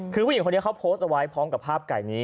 คือผู้หญิงคนนี้เขาโพสต์เอาไว้พร้อมกับภาพไก่นี้